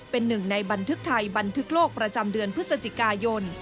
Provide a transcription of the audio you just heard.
เป็นหนึ่งในบันทึกไทยบันทึกโลกประจำเดือนพฤศจิกายน